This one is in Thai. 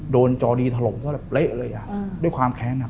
จอดจอดีถล่มก็แบบเละเลยอ่ะด้วยความแค้นอ่ะ